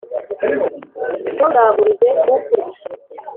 Ntuzagurize ukurusha ubushobozi,